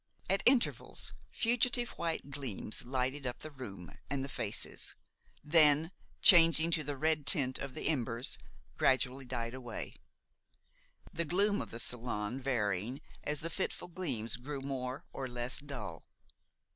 At intervals fugitive white gleams lighted up the room and the faces, then, changing to the red tint of the embers, gradually died away; the gloom of the salon varying as the fitful gleams grew more or less dull.